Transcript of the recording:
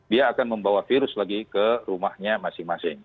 dia akan membawa virus lagi ke rumahnya masing masing